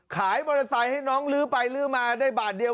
มอเตอร์ไซค์ให้น้องลื้อไปลื้อมาได้บาทเดียว